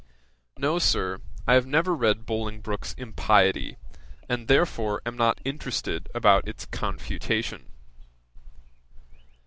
"No, Sir, I have never read Bolingbroke's impiety, and therefore am not interested about its confutation."'